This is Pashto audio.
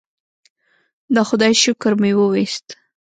د خدای شکر مې وویست.